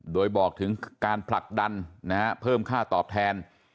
โดยบอกถึงการผลักดันเพิ่มค่าตอบแทน